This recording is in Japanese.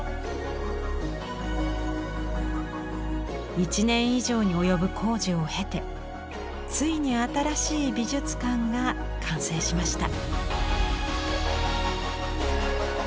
１年以上に及ぶ工事を経てついに新しい美術館が完成しました。